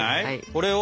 これを。